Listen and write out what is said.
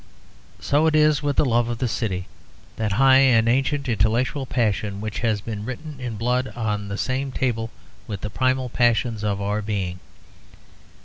So it is with the 'love of the city,' that high and ancient intellectual passion which has been written in red blood on the same table with the primal passions of our being.